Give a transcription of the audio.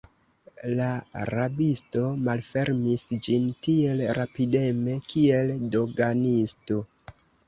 La rabisto malfermis ĝin tiel rapideme, kiel doganisto.